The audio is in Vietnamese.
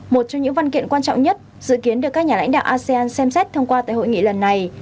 một trong những văn kiện quan trọng nhất dự kiến được các nhà lãnh đạo asean xem xét thông qua tại hội nghị lần này